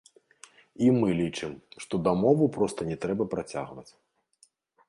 І мы лічым, што дамову проста не трэба працягваць.